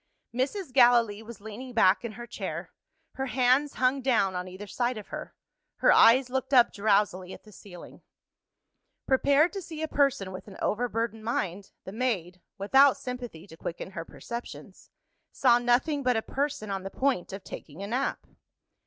Mrs. Gallilee was leaning back in her chair: her hands hung down on either side of her; her eyes looked up drowsily at the ceiling. Prepared to see a person with an overburdened mind, the maid (without sympathy, to quicken her perceptions) saw nothing but a person on the point of taking a nap.